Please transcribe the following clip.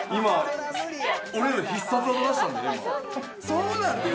今そうなんです！